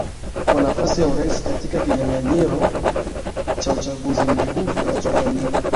kwa nafasi ya urais katika kinyang anyiro cha uchaguzi mkuu kitakachofanyika